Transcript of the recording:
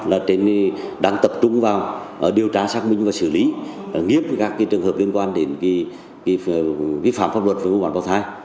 nên đang tập trung vào điều tra xác minh và xử lý nghiếp các trường hợp liên quan đến vi phạm pháp luật về mua bán bảo thai